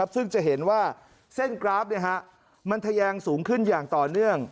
ซึ่งจะเห็นว่าเส้นกราฟมันทะแยงสูงขึ้นอย่างต่อเนื่อง